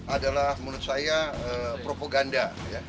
adalah menurut saya propaganda